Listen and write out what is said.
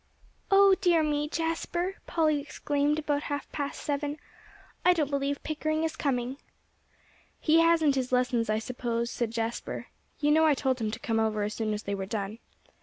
"Oh dear me! Jasper," Polly exclaimed about half past seven, "I don't believe Pickering is coming." "He hasn't his lessons, I suppose," said Jasper. "You know I told him to come over as soon as they were done.